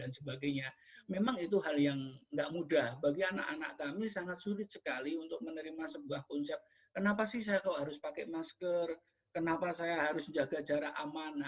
memang itu hal yang tidak mudah bagi anak anak kami sangat sulit sekali untuk menerima sebuah konsep kenapa sih saya kok harus pakai masker kenapa saya harus jaga jarak aman